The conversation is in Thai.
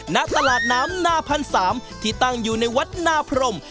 ณตลาดน้ำหน้าพันสามที่ตั้งอยู่ในวัดหน้าพรม